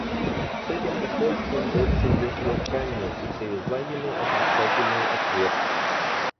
С этим посольством Бетси ездила к Анне и привезла ему отрицательный ответ.